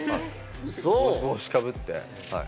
帽子かぶって、はい。